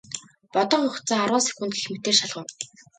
Бодох хугацаа арван секунд гэх мэтээр шалгав.